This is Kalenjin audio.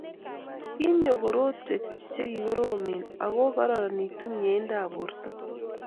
Kinyoi korotwek chekoromen ako kararanitu meindap borto